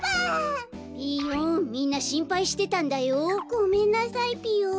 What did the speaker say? ごめんなさいぴよ。